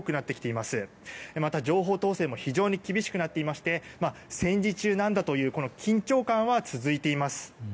また、情報統制も非常に厳しくなっていまして戦時中なんだという緊張感は続いています。